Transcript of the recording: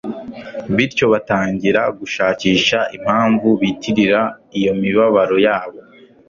bityo batangira gushakisha impamvu bitirira iyo mibabaro yabo